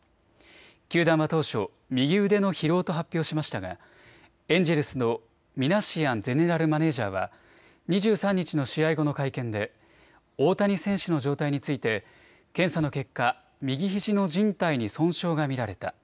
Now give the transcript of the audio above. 球団は当初、右腕の疲労と発表しましたがエンジェルスのミナシアンゼネラルマネージャーは２３日の試合後の会見で大谷選手の状態について検査の結果、右ひじのじん帯に損傷が見られた。